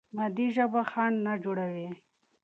مادي ژبه خنډ نه جوړوي.